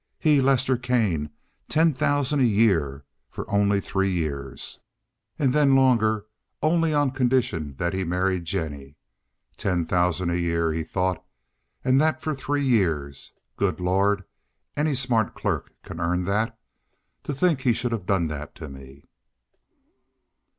He, Lester Kane, ten thousand a year, for only three years, and then longer only on condition that he married Jennie! "Ten thousand a year," he thought, "and that for three years! Good Lord! Any smart clerk can earn that. To think he should have done that to me!"